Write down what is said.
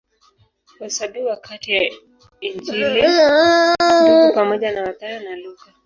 Huhesabiwa kati ya Injili Ndugu pamoja na Mathayo na Luka.